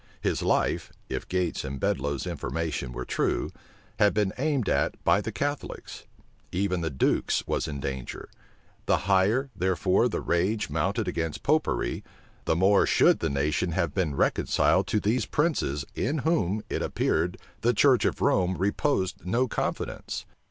His life, if Gates and Bedloe's information were true, had been aimed at by the Catholics: even the duke's was in danger; the higher, therefore, the rage mounted against Popery, the more should the nation have been reconciled to these princes in whom, it appeared, the church of Rome reposed no confidence.